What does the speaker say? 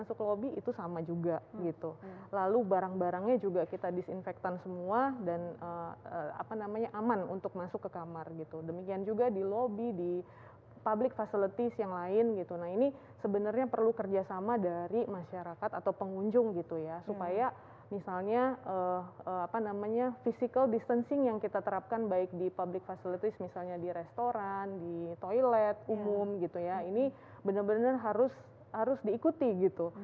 masuk ke lobby itu sama juga gitu lalu barang barangnya juga kita disinfektan semua dan apa namanya aman untuk masuk ke kamar gitu demikian juga di lobby di public facilities yang lain gitu nah ini sebenarnya perlu kerjasama dari masyarakat atau pengunjung gitu ya supaya misalnya apa namanya physical distancing yang kita terapkan baik di public facilities misalnya di restoran di toilet umum gitu ya ini benar benar harus harus diikuti gitu